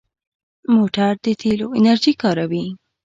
موټر د تېلو انرژي کاروي.